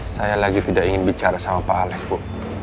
saya lagi tidak ingin bicara sama pak alex bu